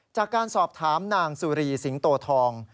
จากการสอบถามนางสุรีสิงโตทอง